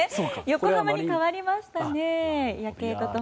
横浜に変わりましたね。